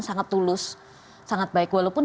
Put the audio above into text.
sangat tulus sangat baik walaupun